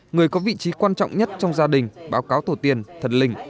người có vị trí quan trọng nhất trong gia đình báo cáo tổ tiên thần linh